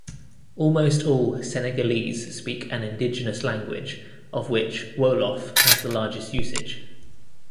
Almost all Senegalese speak an indigenous language, of which Wolof has the largest usage.